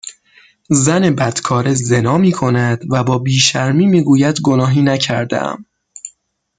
زن بدکاره زنا میکند و با بیشرمی میگوید گناهی نکردهام